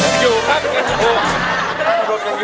ยังอยู่ครับ